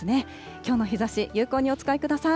きょうの日ざし、有効にお使いください。